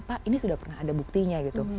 pak ini sudah pernah ada buktinya gitu